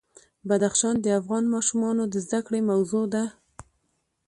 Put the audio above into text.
بدخشان د افغان ماشومانو د زده کړې موضوع ده.